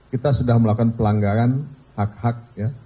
kita sudah melakukan pelanggaran hak hak